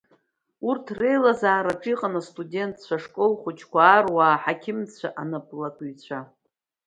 Урҭ реилазаараҿы иҟан астудентцәа, ашколхәыҷқәа, аруаа, аҳақьымцәа, анаплакыҩцәа.